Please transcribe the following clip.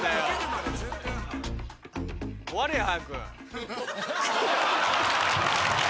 終われ早く。